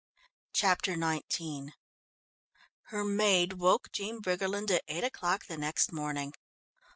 Chapter XIX Her maid woke Jean Briggerland at eight o'clock the next morning.